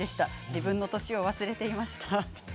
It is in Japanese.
自分の年を忘れていました。